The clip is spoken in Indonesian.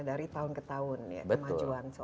dari tahun ke tahun ya kemajuan seorang siswa